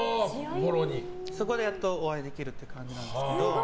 そこでやっとお会いできるという感じなんですけど。